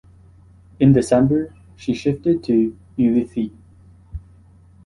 In December, she shifted to Ulithi.